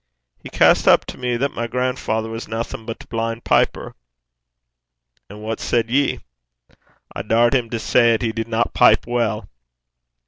'He cast up to me that my grandfather was naething but a blin' piper.' 'And what said ye?' 'I daured him to say 'at he didna pipe weel.'